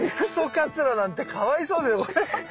カズラなんてかわいそうですこれ。